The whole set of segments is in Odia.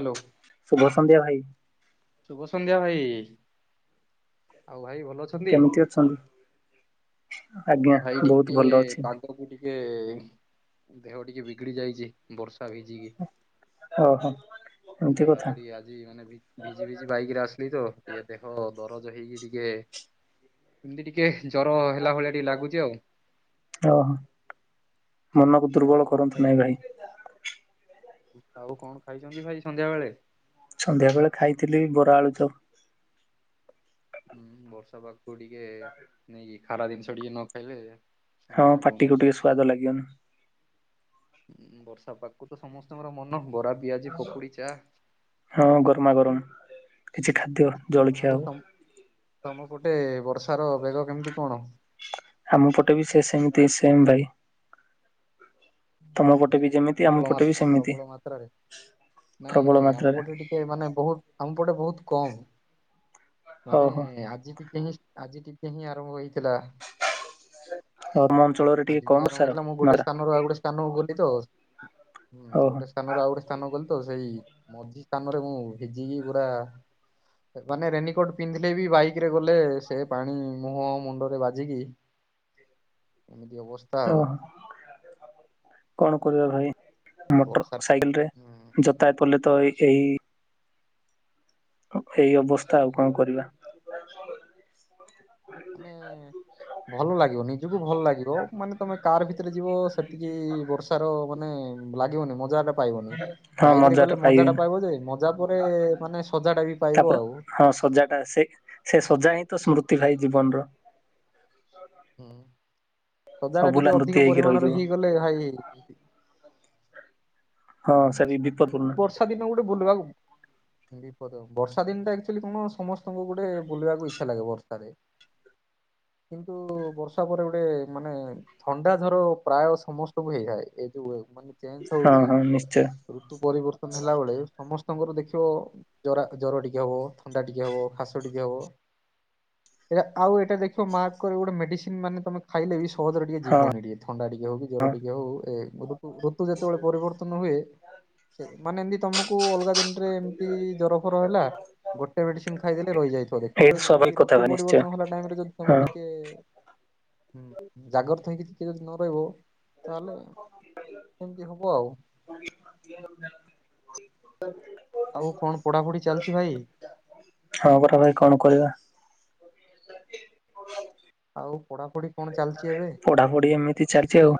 ହ୍ୟାଲୋ। ଶୁଭ ସନ୍ଧ୍ୟା ଭାଇ। ଶୁଭ ସନ୍ଧ୍ୟା ଭାଇ। ଆଉ ଭାଇ ଭଲ ଅଛ। କେମିତି ଅଛନ୍ତି? ଆଜ୍ଞା ହଁ ଭାଇ ବହୁତ ଟିକେ ଭଲ ଅଛି। ପା। [inaudible] ଟିକେ ଦେହ ଟିକେ ବିଗିଡି ଯାଇଛି। ବର୍ଷା ଭିଜିକି। ଓହୋ ଏମିତି ଦେହ କଥା ହାତରି ଆଜି ମାନେ। ଭିଜି ଭିଜି ବାଇକ୍ ରେ ଆସିଲି ତ ଇଏ ଦେହ ଦରଜ ହେଇକି ଟିକେ। ଏମତି ଟିକେ ଜର ହେଲା ଭଳିଆ ଟିକେ ଲାଗୁଚି ଆଉ। ଓହୋ। ମନକୁ ଆଉ ଦୁର୍ବଳ କଣ କରନ୍ତୁ ନାଇଁ ଖାଇଛନ୍ତି? ଭାଇ। ଆଉ କଣ ଖାଇଛନ୍ତି ଭାଇ ସନ୍ଧ୍ୟା ବେଳେ? ସନ୍ଧ୍ୟାବେଳେ ଖାଇଥିଲି ବରା, ଆଳୁ ଚପ୍। ବର୍ଷା ପାଗକୁ ଟିକେ ନେଇକି ଖାରା ଜିନିଷ ଟିକେ ନ ଖାଇଲେ ହଁ ଶାନ୍ତି ଲାଗିବନି ପାଟିକୁ ଟିକେ ସୁଆଦ ଲାଗିବନି। ବର୍ଷା ପାଗକୁ ତ ସମସ୍ତଙ୍କର ମନ ବରା, ପିଆଜି, ପକୁଡି, ଚାଆ। ହଁ ଗରମା ଗରମ। କିଛି ଖାଦ୍ୟ ଜଳଖିଆ ଆଉ ହବ। ତମ ତମପଟେ ବର୍ଷାର ବେଗ କେମିତି କଣ? ଆମ ପଟେ ବି ସେ ସେମିତି ସେମ୍ ଭାଇ। ତମ ପଟେ ବି ଯେମିତି ଆମ ପ୍ରବଳ ପଟେ ମାତ୍ ବି ସେମିତି। ପ୍ରବଳ ମାତ୍ରାରେ। ନାଇଁ ପ୍ରବଳ ଭାଇ ଆମ ମାତ୍ରାରେ ପଟେ ଟିକେ ମାନେ ବହୁତ। ଆମପଟେ ବହୁତ କମ୍ ମାନେ ଓହୋ ଆଜି ବି ପିନିସ୍। ଆଜି ଟିକେ ହିଁ ଆରମ୍ଭ ହୋଇଥିଲା। ଆମ ଅଞ୍ଚଳରେ ଆଜି ଟିକେ କମ୍ ଆରମ୍ଭ ସାର ହେଇଥିଲା ମୁଁ ଗୋଟେ ମାତ୍ରା ସ୍ଥାନ ରୁ ଆଉ ଗୋଟେ ସ୍ଥାନକୁ ଗଲି ତ ହଁ ଓହୋ। ଗୋଟେ ସ୍ଥାନରୁ ଆଉ ଗୋଟେ ସ୍ଥାନକୁ ଗଲି ତ ସେଇ ମଝି ସ୍ଥାନରେ ମୁଁ ଭିଜିକି ପୁରା ମାନେ ରେନିକୋଟ ପିନ୍ଧିଲେ ବି ବାଇକରେ ଗଲେ ସେ ପାଣି ମୁହଁ ମୁଣ୍ଡରେ ବାଜିକି ଏମିତି ଅବସ୍ ଓହୋ, କଣ କରିବା ଭାଇ? ମୋଟର ବର୍ଷା ସାଇକେଲ ରେ ହୁଁ ଯତାୟତ ପଲେ ତ ଏଇ ଏଇ ଅବସ୍ଥା ଆଉ କଣ କରିବା। ହୁଁ। ଭଲ ଲାଗିବ ନିଜକୁ ଭଲ ଲାଗିବ ମାନେ ତମେ କାର ଭିତରେ ଯିବ ସେତିକି ବର୍ଷା ତାର ମାନେ ଲାଗିବନି ମଜାଟା ପାଇବନି ବାଇକ ରେ ଗଲେ ମଜା ଟା ପାଇବ ଯେ ମଜା ପରେ ମାନେ ସଜା ଟା ବି ପାଇବ ତାପରେ ଆଉ। ହଁ ସଜାଗ ସେ ସେ ସଜା ହିଁ ତ ସ୍ମୃତି ଭାଇ ଜୀବନର। ହୁଁ ସଜା ଟା ଅଭୁଲା ଟିକେ ସ୍ମୃତି ଅଧିକ ହେଇକି ପରିମାଣରେ ରହିଯିବ। ହେଇଗଲେ ଭାଇ ହଁ ସେ ହୁଁ ବି ସ୍ମୃତି ବିପଦପୂର୍ଣ୍ଣ ବର୍ଷା ଦିନ ଗୋଟେ ବୁଲିବାକୁ ବିପଦ ବର୍ଷା ଦିନ ଟା ଆକ୍ଚୁଆଲି କଣ ସମସ୍ତଙ୍କୁ ଗୋଟେ ବୁଲିବାକୁ ଇଚ୍ଛା ଲାଗେ ବର୍ଷାରେ। ତୁ ବର୍ଷା ପରେ ଗୋଟେ ମାନେ ଥଣ୍ଡା ଜର ପ୍ରାୟ ସମସ୍ତଙ୍କୁ ହେଇଥାଏ ଏଇ ଯୋଉ ମାନେ ଚେଞ୍ଜ ହଁ ହଉଚି। ହଁ ନିଶ୍ଚୟ ଋତୁ ପରିବର୍ତ୍ତନ ହେଲା ବଳେ ସମସ୍ତଙ୍କର ଦେଖିବ ଜରା ଜ୍ୱର ଟିକେ ହବ ଥଣ୍ଡା ଟିକେ ହବ ଖାସ ଟିକେ ହବ। ଏଇଟା ଆଉ ଏଇଟା ଦେଖିବ ମାର୍ କହିବି ଗୋଟେ ମେଡିସିନ ମାନେ ତମେ ଖାଇଲେ ବି ସହଜରେ ଟିକେ ହଁ ଯିବନି ଟିକେ ଥଣ୍ଡା ଟିକେ ହଉ କି ଜ୍ୱର ହଁ ଟିକେ ହଉ ଏ ଋତୁ ଯେତେବେଳେ ପରିବର୍ତ୍ତନ ହୁଏ ସେ ମାନେ ଏମିତି ତମକୁ ଅଲଗା ଦିନ ରେ ଏମତି ଜର ଫର ହେଲା ଗୋଟେ ମେଦିସିନ ଖାଇଦେଲେ ରହିଯାଇଥିବ ଦେଖ ଏଇ କିନ୍ତ ଏମିତି ସ୍ୱାଭାବିକ କଥା ଋତୁ ଭାଇ ନିଶ୍ଚୟ ପରିବର୍ତନ ହେଲା ଟାଇମରେ ଯଦି ତମେ ହଁ ଟିକ୍ ଟିକେ ଜାଗ୍ରତ ହେଇକି ଟିକେ ଯଦି ନ ରହିବ ତାହେଲେ କେମିତି ହବ ଆଉ [unintelligible] ଆଉ କଣ ପଢାପଢି ଚାଲିଛି ଭାଇ। ହଁ ପରା ଭାଇ କଣ କରିବା। ଆଉ ପଢାପଢି କଣ ଚାଲିଛି ଏବେ। ପଢାପଢି ଏମିତି ଚାଲିଛି ଆଉ।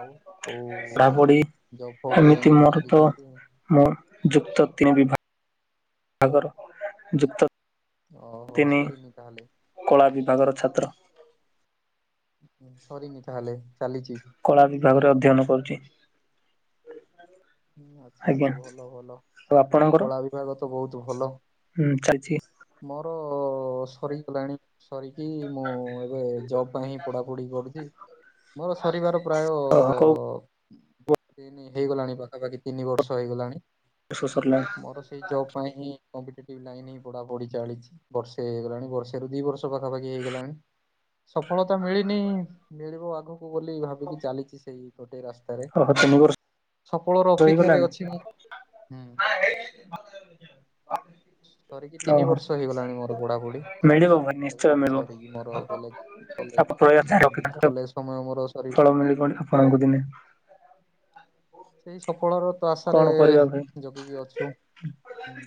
ଆଉ କୋ ପଢାପଢି ଜବ ଫବ ପାଇଁ କଣ ଲାଗିଛନ୍ତି। ହଁ ଯୁକ୍ତ ତିନି ବିଭା ଗର ଯୁକ୍ତ ଓହୋ! ତିନି ସରିନି ତା, ହେଲେ। କଳା ବିଭାଗର ଛାତ୍ର। ସରିନି ତାହେଲେ ଚାଲିଚି। କଳା ବିଭାଗରେ ଅଧ୍ୟୟନ କରୁଛି। ହୁଁ, ଆଚ୍ଛା ଆଜ୍ଞା ଆଚ୍ଛା ଭଲ ଭଲ। ଆଉ ଆପଣଙ୍କର? କଳା ବିଭାଗ ତ ବହୁତ ଭଲ। ହୁଁ, ଚାଲଚି। ମୋର ସରିଗଲାଣି। ସରକିି ମୁଁ ଏବେ ଜବ୍ ପାଇଁ ହିଁ ପଢାପଢି କରୁଛି। ମୋର ସରିବାର ପ୍ରାୟ-ଅ ଓହୋ କୋଉ ଦି ତିନ ହେଇଗଲାଣି ପାଖ୍ ପାକାପାଖି ତିନି ବର୍ଷ ହେଇଗଲାଣି। ସୋ ସରଲା। ମୋର ସେଇ ଜବ୍ ପାଇଁ ହିଁ, କମ୍ପିଟିଟିଭ୍ ଲାଇନ୍ ହିଁ ପଢା ପଢି ଚାଳିଛି ବର୍ଷେ ହେଇଗଲାଣି। ବର୍ଷେରୁ ଦି ବର୍ଷ ପାଖାପାଖି ହେଇଗଲାଣି, ସଫଳତା ମିଳିନି। ମିଳିବ ଆଗକୁ ବୋଲି ଭାବିକି, ଚାଲିଛି ସେଇ ଗୋଟେ ରାସ୍ତାରେ। ହଁ [inaudible] ସଫଳର ତ, ଅପେକ୍ଷାରେ ହେଇଗଲାଣି ଅଛି ମୁଁ ହୁଁ। ସରି କି ତିନି ଓହୋ ବର୍ଷ ହେଇଗଲାଣି, ମୋର ପଢାପୁଢି। ମିଳିବ ଭାଇ ନିଶ୍ଚୟ [inaudible] ମିଳିବ ସରିକି ମୋର କଲେ କଲେ ଆପଣ ପ୍ରୟାସ ହୁଁ, ଜାରି ହୁଁ ରଖିଥାନ୍ତୁ କଲେଜ ସମୟ ମୋର ସରି ଫଳ ମିଳି ବଣିି ଆଉ। ପାଆଙ୍କୁ ଦିନେ ସେଇ ସଫଳର ତ କଣ ଆଶାରେ-ଏ କରିବା ଭାଇ ଜଗିକି ଅଛୁଁ। ଉଁ।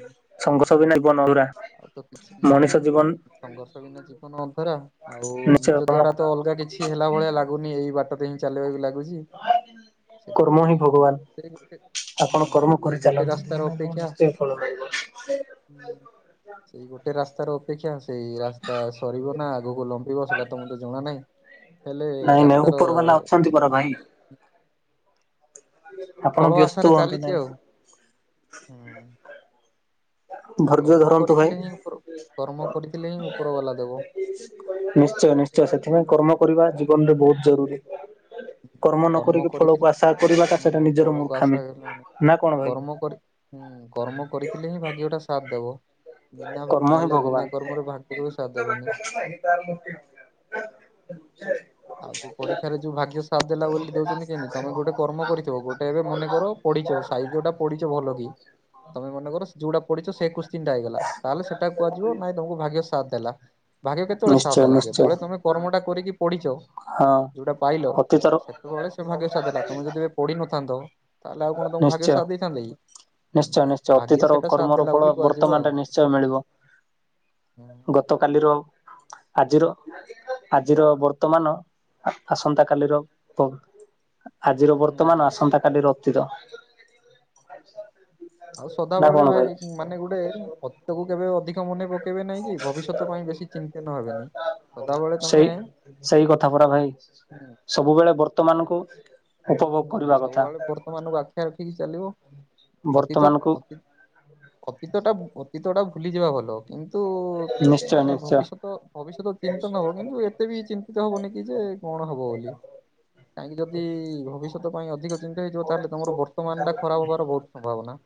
ସଂଘର୍ଷ ବିନା ଇବନ ଅଲ୍ଗା। ଆଉ ତ କିିଛି ନାହିଁ। ହୁଁ, ସଂଘର୍ଷ ବିନା ଜୀବନ ଅଧୁରା। ଆଉ ନିଶ୍ଚୟ ନିଜ କର୍ମ ଦ୍ଵାରା ତ ଅଲଗା କିଛି ହେଲା ଭଳିଆ ଲାଗ୍ ଲାଗୁନି ଏଇ ବାଟ ଦେଇ ହିଁ, ଚାଲିବାକୁ ଲାଗୁଛି। କର୍ମ ସେଥିପାଇଁ ହିଁ ଭଗବାନ ସେ ଗୁଟେ ଆପଣ କର୍ମ କରି ଚାଲନ୍ତୁ। ଦିନେ ନା ଦିନେ ନିଶ୍ଚୟ ଫଳ ପାଇବେ। ହୁଁ। ସେଇ ଗୋଟେ ରାସ୍ତାର ଅପେକ୍ଷା। ସେଇ ରାସ୍ତା ସରିବ ନା ଆଗକୁ ଲମ୍ବିବ, ସେଇଟା ତ ମତେ ଜଣା ନାହିଁ? ହେଲେ ରାସ୍ତାର-ଅ ମର ଭାଇ ଫଳ ଆପଣ ଆଶାରେ ବ୍ୟସ୍ତ ହୁଅନ୍ତୁ ଚାଲିଛି ନାହିଁ। ଆଉ ହୁଁ। ଧୈର୍ଯ୍ୟ କର୍ମ ଧରନ୍ତୁ ଭାଇ କରିଥିଲେ ହିଁ, ଉପର୍ କର୍ମ କରିଥିଲେ ହିଁ, ଉପର ବାଲା ଦବ। ନିଶ୍ଚୟ, ନିଶ୍ଚୟ, ସେଥିପାଇଁ କର୍ମ କରିବା ଜୀବନରେ ବହୁତ ଜରୁରୀ। ନ କର୍ମ କରିକି ଫଳକୁ ଆଶା କରିବାଟା ହୁଁ, ସେଟା ନିଜର ଫଳକୁ ମୂର୍ଖାମି। ଆଶାକଲିମୁନି। ନା କଣ ଭାଇ କର୍ମ କରି ହୁଁ, କର୍ମ କରିଥିଲେ ହିଁ, ଭାଗ୍ୟଟା ସାଥ ଦେବ। ବିନା ଭା କର୍ମ ହିଁ ନଲେ ଭଗବାନ ବିନା କର୍ମରେ, ଭାଗ୍ୟ କେବେ ସାଥ୍ ଦେବନି। [inaudible] ଆଉ ଯୋଉ ପରୀକ୍ଷାରେ ଯୋଉ ଭାଗ୍ୟ ସାଥ୍ ଦେଲା ବୋଲି ଦଉଛନ୍ତି କେମିତି? ତମେ ଗୋଟେ କର୍ମ କରିଥିବ, ଗୋଟେ ଏବେ ମନେ କର ପଢିଛ। ସାହିତ୍ୟ ଟା ପଢିଛ ଭଲ କି, ତମେ ମନେ କର ଯୋଉଟା ପଢିଛ ସେଇ କୁଶ୍ ଚିଣ୍ଟା ହେଇଗଲା। ତାହେଲେ ସେଟା କୁହାଯିବ ନାଇଁ ତମକୁ ଭାଗ୍ୟ ସାଥ୍ ଦେଲା। ଭାଗ୍ୟ କେତେବେଳେ ସାଥ ନିଶ୍ଚୟ ଦେଲା? ନିଶ୍ଚୟ ଯେତେବେଳେ ତମେ କର୍ମଟା କରିକି ପଢ଼ିଛ। ହଁ। ଯୋଉଟା ପାଇଲ, ଅତୀତର ସେତେବେଳେ ସେ ସେ ଭାଗ୍ୟସାଥ ଦେଲା, ତମେ ଯଦି ଏବେ ପଢିନଥାନ୍ତ! ତାହେଲେ ଆଉ କଣ ତମକୁ ନିଶ୍ଚୟ। ଭାଗ୍ୟସାଥ୍ ଦେଇଥାନ୍ତି କି? ହୁଁ, ନିଶ୍ଚୟ, ନିଶ୍ଚୟ। ଭାଗ୍ୟ ଅତୀତର ସେଟା ସାଥ କର୍ମର ଦେଲା ଫଳ ବୋଲି କୁହାଯିବ ଆଉ। ବର୍ତ୍ତମାନଟେ ନିଶ୍ଚୟ ମିଳିବ। ହୁଁ। ଗତ କାଲିର ଆଜିର ଆଜିର ବର୍ତ୍ତମାନ, ଆସନ୍ତା କାଲିର ପ ଆଜିର ବର୍ତ୍ତମାନ, ନାଇଁ ଠିକ ଆସନ୍ତା ଠିକ। କାଲିର ଅତୀତ। ଆଉ ନା ସଦାବେଳେ କଣ ଭାଇ ମାନେ ଗୁଟେ, ଅତୀତକୁ କେବେ ଅଧିକ ମନେପକେ କେବେ ନାଇଁ କି ଭବିଷ୍ୟତ ପାଇଁ ବେଶୀ ଚିନ୍ତିନ ହେବେନି। ସଦାବେଳେ ତମେ ସେଇ ସେଇ କଥା ପରା ଭାଇ। ହୁଁ ସବୁବେଳେ ବର୍ତ୍ତମାନକୁ ଉପଭୋଗ ହୁଁ କରିବା କଥା ସବୁଆଳେ ବର୍ତ୍ତମାନଙ୍କୁ ଆଖିଆ ରଖିକି ଚାଲିବ ଅତୀତ ବର୍ତ୍ତମାନକୁ ଅତି ଅତୀତ ଟା ଅତୀତ ଟା ଭୁଲିଯିବା ଭଲ କିନ୍ତୁ ନିଶ୍ଚୟ ମାନେ ନିଶ୍ଚୟ ଭବିଷ୍ୟତ ଭବିଷ୍ୟତ ଚିନ୍ତନ ହବ କିନ୍ତୁ ଏତେ ବି ଚିନ୍ତିତ ହବନି କି ଯେ କଣ ହବ ବୋଲି। କାହିଁକି ଯଦି ଭବିଷ୍ୟତ ପାଇଁ ଅଧିକ ଚିନ୍ତା ହେଇଯିବ। ତାହେଲେ ତମର ବର୍ତ୍ତମାନ ଟା ଖରାପ ହବାର ବହୁତ ସମ୍ଭାବନା।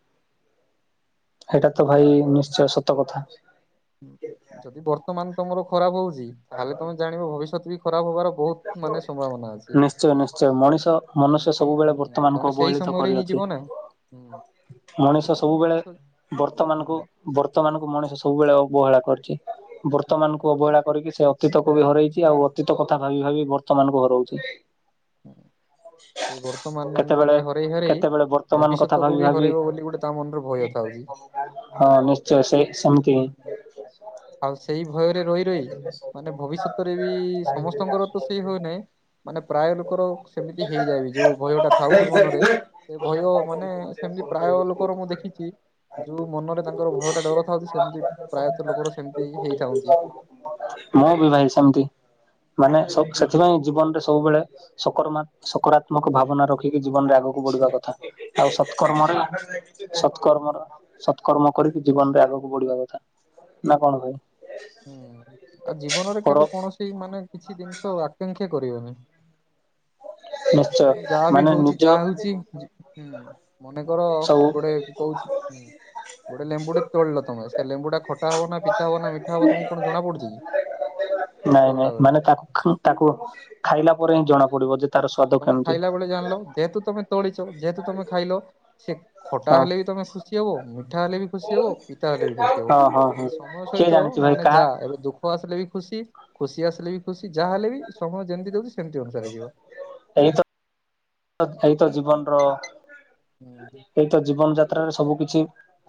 ହେଇଟା ତ ଭାଇ, ନିଶ୍ଚୟ ସତ କଥା। ଯଦି ବର୍ତ୍ତମାନ ତମର ଖରାପ ହଉଛି ତାହେଲେ ତମେ ଜାଣିବ ଭବିଷ୍ୟତ ବି ଖରାପ ହବାର ବହୁତ ମାନେ ସମ୍ଭାବନା ଅଛି। ନିଶ୍ଚୟ, ନିଶ୍ଚୟ ମଣିଷ ମନୁଷ୍ୟ କାହିଁକି ତମେ ସବୁବେଳେ ହୁଁ, ତମେ ବର୍ତ୍ତମାନକୁ ସେଇ ଅବହେଳିତ ସମୟରେ ହିଁ ଯିବ କରିଅଛି। ନା ହୁଁ ମଣିଷ ସେଥିପାଇଁ ସବୁବେଳେ ମଣିଷ ହୁଁ ବର୍ତ୍ତମାନକୁ। ବର୍ତ୍ତମାନ କୁ ମଣିଷ ସବୁବେଳେ ଅବହେଳା କରିଛି ହୁଁ, ବର୍ତ୍ତମାନ ଅବହେଳା କରିକି ସେ ଅତୀତକୁ ବି ହରେଇଛି। ଆଉ ଅତୀତ କଥା ଭାବି ଭାବି ବର୍ତମାନ କୁ ହରଉଛି। ସେଇ ବର୍ତ୍ତମାନ କେତେବେଳେ ମାନେ ହରେଇ ହରେଇ, କେତେବେଳେ ବର୍ତ୍ତମାନ କଥା ଭାବି ଭବିଷ୍ୟତକୁୁ ବି ଭାବି ହରେଇବ ବୋଲି ଗୋଟେ ତା ମନର ଭୟ ଥାଉଛି। ହଁ ନିଶ୍ଚୟ ସେ ସେମତି। ଆଉ ସେଇ ଭୟରେ ରହି ରହି ମାନେ ଭବିଷ୍ୟତରେ ବି ସମସ୍ତଙ୍କର ତ ସେଇ ଭୟନାହିଁ। ମାନେ ପ୍ରାୟ ଲୋକର ସେମିତି ହେଇଯାଏବି ଯୋଉ ଭୟ ଟା ଥାଉଛି ମନରେ। ସେ ଭୟ ମାନେ ସେମତି ପ୍ରାୟ ଲୋକର ମୁଁ ଦେଖିଛି। ଯୋଉ ମନରେ ତାଙ୍କର ଭୟ ଟା ଡର ଥାଉଛି ସେମତି ପ୍ରାୟତଃ ଲୋକର ସେମିତି ହେଇଯାଉଛି। ମୁଁ ବି ଭାଇ ସେମିତି ମାନେ ସ ହୁଁ ସେଥିପାଇଁ ଜୀବନ ରେ ସବୁବେଳେ। ସକରମାତ୍ ସକାରାତ୍ମକ ଭାବନା ରଖିକି ଜୀବନରେ ଆଗକୁ ବଢିବା କଥା। ଆଉ ସତକର୍ମର ସତକର୍ମର। ସତକର୍ମ କରିକି ଜୀବନରେ ଆଗକୁ ବଢିବା କଥା ନା କଣ ଭାଇ। ହୁଁ ଆଉ ଜୀବନରେ ପର କେବେ କୌଣସି ମାନେ କିଛି ଜିନିଷ ଆକାଂକ୍ଷା କରିବନି। ନିଶ୍ଚୟ ମାନେ ଯାହା ବି ମାନେ ହଉଛି ନିଜ ଯାହା ହଉଛି ହୁଁ ମନେକର ସବୁ ଗୋଟେ। କହୁଛି ହୁଁ। ଗୋଟେ ଲେମ୍ଵୁ ଟେ ତୋଳିଲ ତମେ ସେ ଲେମ୍ବୁଟା ଖଟା ହବ ନା ପିତା ହବ ନା ମିଠା ହବ ତମକୁ କଣ ଜଣାପଡୁଚି କି। ନାଇଁ ତୋଳିଲା ନାଇଁ ବେଳେ ମାନେ ତାଖୁ ତାକୁ ଖାଇଲା ପରେ ହିଁ ଜଣା ପଡିବ ଯେ ତାର ସ୍ଵାଦ ତମେ କେମିତି। ଖାଇଲା ବେଳେ ଜାଣିଲ ଯେହେତୁ ତମେ ତୋଳିଛ ଯେହେତୁ ତମେ ଖାଇଲ। ଚ୍ସେ ଖଟା ହଁ। ହେଲେ ବି ତମେ ଖୁସି ହବ ମିଠା ହେଲେ ବି ଖୁସି ହବ ପିତା ହେଲେ ବି ଖୁସି ହବ। ହଁ ହଁ ହଁ ଏମତି ସମୟ କିଏ ସହିତ ଜାଣିଛି ଭାଇ ମନେ କାହା ଯା ଏବେ ଦୁ ସୁଖ ଆସିଲେ ବି ଖୁସି ଖୁସି ଆସିଲେ ବି ଖୁସି ଯାହାହେଲେ ବି ସମୟ ଯେମିତି ଦଉଛି ସେମିତି ଅନୁସାରେ ଯିବ। ଏଇତ ତ ଏଇତ ଜୀବନର। ହୁଁ। ଏଇତ ଜୀବନ ଯାତ୍ରାରେ ସବୁ କିିଛି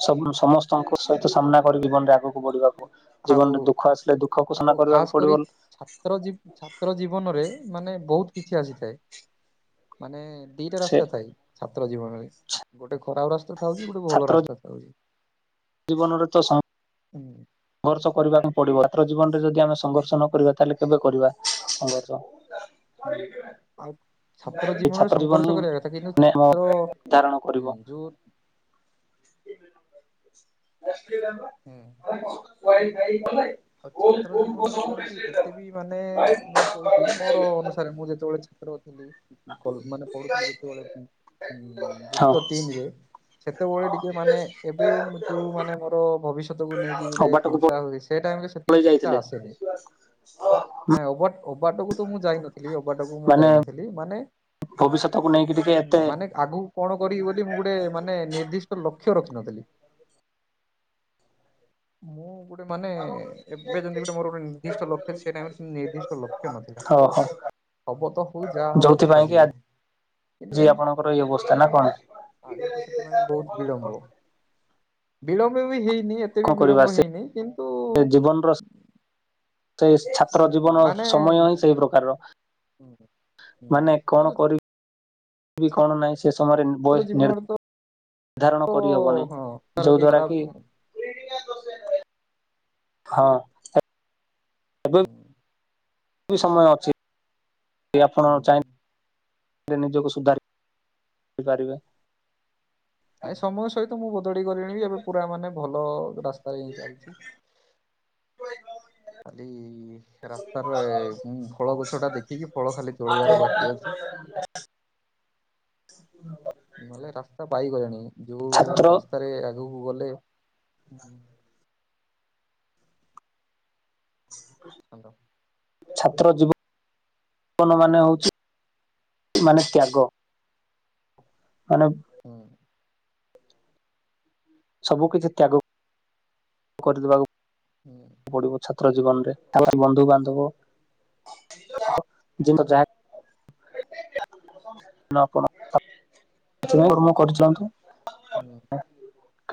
ସବୁ ସମସ୍ତଙ୍କ ସହିତ ସାମ୍ନା କରି ଜୀବନରେ ଆଗକୁ ବଢିବାକୁ ହ ଆଉ ଜୀବନରେ ଦୁଃଖ ଆସିଲେ ଦୁ ଆଉ ଖାସ କରି। ଛାତ୍ର ଜୀବ ଛାତ୍ର ଜୀବନରେ ମାନେ ବହୁତ କିଛି ଆସିଥାଏ ମାନେ। ଦିଇଟା ସେ ରାସ୍ତା ଥାଏ ଛାତ୍ର ଜୀବନରେ ଗୋଟେ ଖରାପ ରାସ୍ତା ଥାଉଛି ଗୋଟେ ଭଲ ଛାତ୍ର ରାସ୍ତା ଥାଉଛି। ଜୀବନରେ ତ ସମ ହୁଁ। ସଂଘର୍ଷ କରିବାକୁ ପଡିବ ଛାତ୍ର ଜୀବନରେ ଯଦି ଆମେ ସଂଘର୍ଷ ନ କରିବା ତାହେଲେ କେବେ କରିବା ସଂଘର୍ଷ। ହ ଆଉ ଛାତ୍ର ଏ ଜୀବନରେ ଜୀବନ ହିଁ ସଂଘର୍ଷ କରିବା କଥା କିନ୍ତୁ ମାନେ ଆମ ଛାତ୍ର ଧାରଣ ହୁଁ ଯୋଉ ଆସିଥିଲା ପା। ହୁଁ। ଖାଇ ଗଲଣି ଆଉ ଛାତ୍ର ଜୀବନରେ କଣ କି ଏତେବି। ମାନେ ମୁଁ କହୁଛି ମୋର ଅନୁସାରେ ମୁଁ ଯେତେବେଳେ ଛାତ୍ର ଥିଲି। ଭଲ ମାନେ ପଢୁଥିଲି ଯେତେବେଳେ ହଁ ଯୁକ୍ତ ତିନିରେ। ସେତେବେଳେ ଟିକେ ମାନେ ଏବେ ମୁଁ ଯଉମାନେ ମୋର ଭବିଷ୍ୟତକୁୁ ନେଇକି ଗୋଟେ ଅବାଟକୁ ଚିନ୍ତା ହୁଏ ସେ ଟାଇମ ରେ ସେତିକି ପଳେଇ ଚିନ୍ତା ଯାଇଥିଲେ ଆସେନି ନାଇଁ ଓବାଟ ଓବାଟକୁ ତ ମୁଁ ଯାଇନ ହେଲେ ଓବାଟକୁ ମୁଁ ମାନେ ଯାଇନଥିଲି ମାନେ ଭବିଷ୍ୟତକୁ ନେଇକି ଟିକେ ଏତେ ମାନେ ଆଗକୁ କଣ କରିବି ବୋଲି ମୁଁ ଗୁଟେ ମାନେ ନିର୍ଦ୍ଦିଷ୍ଟ ଲକ୍ଷ୍ୟ ରଖିନଥିଲି ମୁଁ। ଗୋଟେ ମାନେ ଏବେ ଯେମିତି ଗୁଟେ ମୋର ଗୋଟେ ନିର୍ଦିଷ୍ଟ ଲକ୍ଷ୍ୟ ସେ ଟାଇମରେ ନିର୍ଦ୍ଦିଷ୍ଟ ଲକ୍ଷ୍ୟ ନଥିଲା ଓହୋ ହବ ତ ହଉ ଯା ହବ ଯୋଉଥିପାଇଁ କି ଦେଖାଯିବ କିନ୍ତୁ ଆଜି ଏମ ଆପଣଙ୍କର ଏଇ ଅବସ୍ଥା ନା କଣ? ଆଜିବି ସେଥିପାଇଁ ବହୁତ ବିଳମ୍ବ ବିଳମ୍ବ ବି ହେଇନି ଏ କଣ କରିବା ସେ ସେ ଜୀବନର ସେ ଛାତ୍ର ହୁଁ ଜୀବନ ମାନେ ସମୟ ହିଁ ସେଇ ପ୍ରକାରର। ହୁଁ ହୁ ହୁଁ କିନ୍ତୁ ବି କଣ ଛାତ୍ର ନାଇଁ ସେ ସମୟରେ ବୟସ ନିର୍ ଜୀବନରେ ତ ନିର୍ଦ୍ଧାରଣ କରିହବନି ହଁ ତାର ଯୋଉ ଦ୍ଵାରା ଖରାପ କି ହଁ। ହୁଁ ଉ। ଏବେବି ସମୟ ଅଛି ଆପଣ ହୁଁ। ଚାହିଁ ଏବେବି ନିଜକୁ ସୁଧାରି ପାରିବେ। ନାଇ ସମୟ ସହିତ ମୁଁ ବଦଳି ଗଲିଣି ବି ଏବେ ପୁରା ମାନେ ଭଲ ରାସ [inaudible] ଚାଲିଛି ଖାଲି ସେ ରାସ୍ତାରେ ମୁଁ ଫଳ ଗଛଟା ଦେଖିକି ଫଳ ଖାଲି ତୋଳିବାର ବାକି ଅଛି। ନହେଲେ ରାସ୍ତା ପାଇଗଲେଣି ଯୋଉ ଛାତ୍ର ରାସ୍ତାରେ ଆଗକୁ ଗଲେ ହ! ହ୍ୟାଲୋ? ଛାତ୍ର ଜୀବନ ଜୀବନ ମାନେ ହଉଛି ମାନେ ତ୍ୟାଗ? ମାନେ ହଁ। ସବୁ କିଛି ତ୍ୟାଗ କରିଦବାକୁ। ହୁଁ। ପଢିବ ଛାତ୍ର ଜୀବନ ତାପରେ ବନ୍ଧୁ ବାନ୍ଧବ ଜ ଯ [inaudible] ନା କଣ? କିଛି ନାଇଁ ଧର୍ମ ହୁଁ କରିଚାଲନ୍ତୁ। ହୁଁ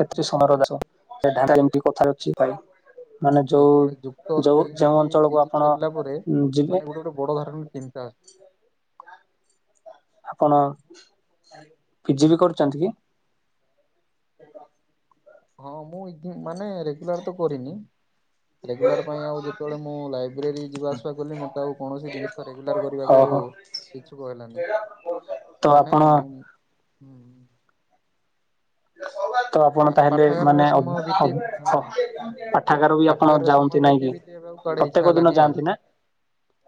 କତ ସମାରା ଏମ କଥାରେ ଅଛି। [unintelligible] ହୁଁ ମାନେ ଯୋଉ ଯେତେବେଳେ ଯୁକ୍ତ ଯୋଉ ତିଇନି ଯୋଉ କି ଅଞ୍ଚଳକୁ ପିଜି ଆପଣ ସରିଲା ପରେ ଯିବେ ମାନେ ଗୋଟେ ଗୋଟେ ବଡ ଧରଣର ଚିନ୍ତା ଆସେ। ଆପଣ ପିଜି ବି କରୁଛନ୍ତି କି? ହଁ ମୁଁ ଇଗି ମାନେ ରେଗୁଲାର ତ କରିନି। ରେଗୁଲାର ପାଇଁ ଆଉ ଯେତେବେଳେ ମୁଁ ଲାଇବ୍ରେରୀ ଯିବା ଆସିବା କଲି ମୋତେ ଆଉ କୌଣସି ଜିନିଷ ରେଗୁଲାର କରିବାକୁ ଆଉ ଓହୋ ଇଛୁକ ହେଲାନି ତ ମାନେ ଆପଣ ହୁଁ ତ ଆପଣ ମାନେ ତାହେଲେ ମାନେ ପାଠାଗାରରେ ଅ ସମୟ ବିତି ହଁ ଅ ପାଠାଗାର ବି ଆପଣ ପାଠାଗାରରେ ଯାଆନ୍ତି ନାଇଁ ସମୟବିତେଇବି। କି ଏବେ କୁଆଡେ ପ୍ରତ୍ୟେକ ଇଛା ଦିନ ହେଲାନି ଆଉ ଯାଆନ୍ତି ନା?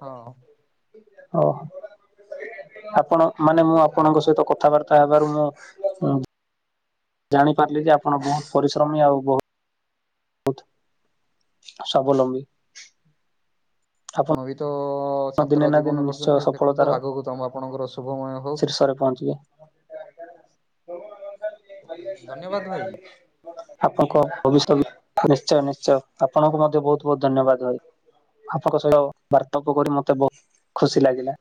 ହଁ। ଓହୋ ଆପଣ ମାନେ ମୁଁ ପ୍ରତ୍ୟେକ ଆପଣଙ୍କ ତମର ସହିତ କଥାବାର୍ ତା ହେବାରୁ ମୁଁଁ ଜାଣି ପାରିଲି ଯେ ଆପଣ ବହୁତ ପରିଶ୍ରମୀ ଆଉ ବହୁତ ସ୍ୱାବଲମ୍ବୀ। ଆପଣ ବି ତ ଦିନେ ଛାତ୍ର ନା ଦିନେ ଜୀବନ ନିଶ୍ଚୟ କରିଛନ୍ତି ଦେଖନ୍ତୁ ସଫଳତାର ଆଗକୁ ତମ ଆପଣଙ୍କର ଶୁଭମୟ ହଉ। ସରପଞ୍ଚ ବି ଧନ୍ୟବାଦ ଭାଇ। ଆପଣଙ୍କ ଭବିଷ୍ୟତବି ନିଶ୍ଚୟ ନିଶ୍ଚୟ ଆପଣଙ୍କୁ ମଧ୍ୟ ବହୁତ ବହୁତ ଧନ୍ୟବାଦ ଭାଇ। ଆପଣଙ୍କ ସହ ବାର୍ତ୍ତାପ କରି ମତେ ବହୁତ୍ ଖୁସି ଲାଗିଲା।